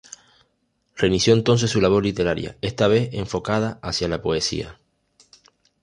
Reinició entonces su labor literaria, esta vez enfocada hacia la poesía.